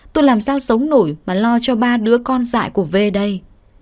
tôi làm sao sống nổi mà lo cho ba đứa con dại của về đây